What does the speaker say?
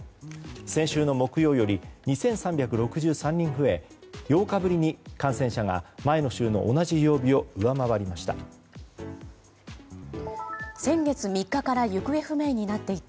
先週の木曜より２３６３人増え８日ぶりに感染者が前の週の同じ曜日を上回りました。